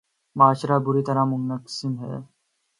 معاشرہ بری طرح منقسم ہے۔